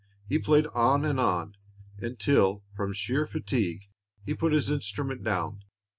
He played on and on, until, from sheer fatigue, he put his instrument down.